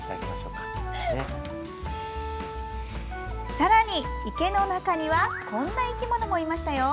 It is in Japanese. さらに、池の中にはこんな生き物もいましたよ。